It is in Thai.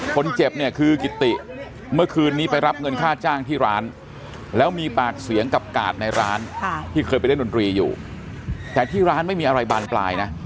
เคยไปเล่นดนตรีอยู่แต่ที่ร้านไม่มีอะไรบานปลายนะ